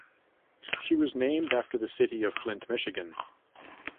She was named after the city of Flint, Michigan.